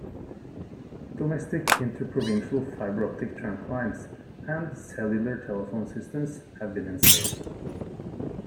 Domestic interprovincial fiber-optic trunk lines and cellular telephone systems have been installed.